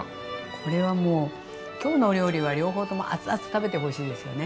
これはもう今日のお料理は両方とも熱々食べてほしいですよね。